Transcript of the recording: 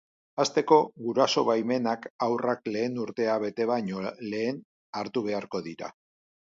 Hasteko, guraso-baimenak haurrak lehen urtea bete baino lehen hartu beharko dira.